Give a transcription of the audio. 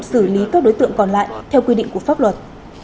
xử lý các đối tượng còn lại theo quy định của pháp luật